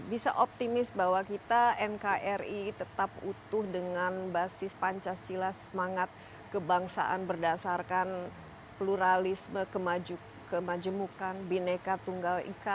bisa optimis bahwa kita nkri tetap utuh dengan basis pancasila semangat kebangsaan berdasarkan pluralisme kemajemukan bineka tunggal ika